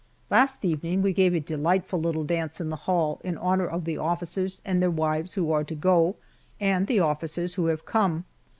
Last evening we gave a delightful little dance in the hall in honor of the officers and their wives who are to go, and the officers who have come.